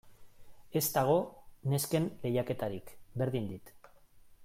Ez dago nesken lehiaketarik, berdin dit.